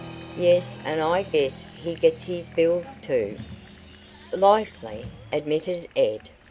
"Yes, and I guess he gets his bills, too." "Likely," admitted Ed.